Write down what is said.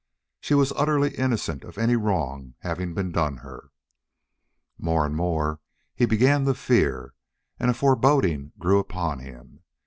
She was utterly innocent of any wrong having been done her. More and more he began to fear, and a foreboding grew upon him.